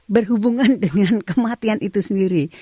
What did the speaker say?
berhubungan dengan kematian itu sendiri